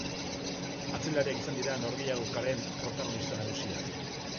Atzelariak izan dira norgehiagokaren protagonista nagusiak.